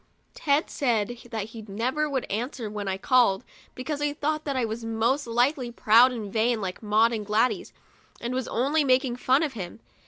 Ted said that he never would answer when I called, because he thought that I was most likely proud and vain, like Maud and Gladys, and was only making fun of him.